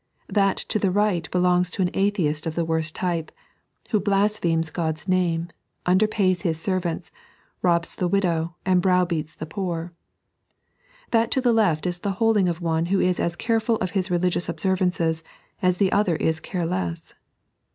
That to the right belongs to an atheist of the worst type, who blasphemes God's name, underpays his servants, robs the widow, and browbeats the poor. That to the left is the holding of one who is as careful of Lis religious observances as the other is careless.